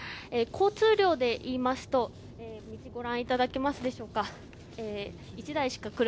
交通量でいいますと、道をご覧いただけますでしょうか。